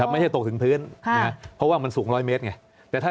ไม่ใช่ตกถึงพื้นเพราะว่ามันสูง๑๐๐เมตรไง